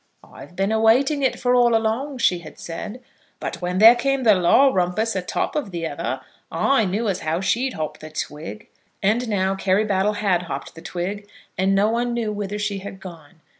"I've been a waiting for it all along," she had said; "but when there came the law rumpus atop of the other, I knew as how she'd hop the twig." And now Carry Brattle had hopped the twig, and no one knew whither she had gone.